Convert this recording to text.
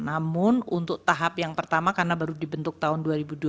namun untuk tahap yang pertama karena baru dibentuk tahun dua ribu dua puluh